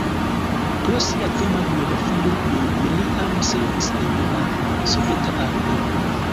Pro sia krima biografio li neniam servis en la Soveta Armeo.